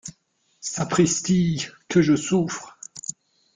Sapristi ! que je souffre !